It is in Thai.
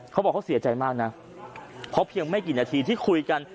เขาบอกเขาเสียใจมากนะเพราะเพียงไม่กี่นาทีที่คุยกัน